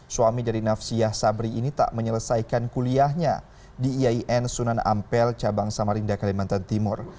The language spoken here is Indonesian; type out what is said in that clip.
suami dari nafsiyah sabri ini tak menyelesaikan kuliahnya di iain sunan ampel cabang samarinda kalimantan timur